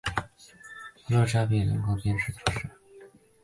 伯扎讷人口变化图示